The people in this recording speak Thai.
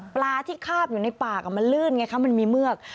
ปลาที่คาบอยู่ในปากมันลื่นไงคะมันมีเมือก